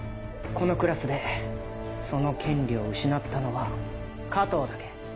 このクラスでその権利を失ったのは加藤だけ。